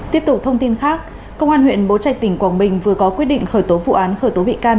tiếp tục thông tin khác công an huyện bố trạch tỉnh quảng bình vừa có quyết định khởi tố vụ án khởi tố bị can